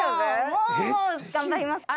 もうもう頑張ります。